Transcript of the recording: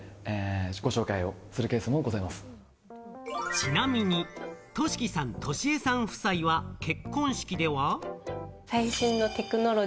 ちなみに、としきさん、としえさん夫妻は、結婚式では。